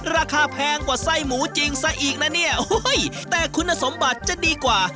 แพงกว่าไส้หมูจริงซะอีกนะเนี่ยแต่คุณสมบัติจะดีกว่า